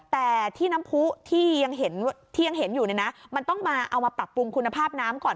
แต่ที่น้ำผู้ที่ยังเห็นอยู่เนี่ยนะมันต้องมาเอามาปรับปรุงคุณภาพน้ำก่อน